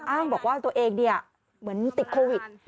อ้างบอกว่าตัวเองเหมือนติดโควิด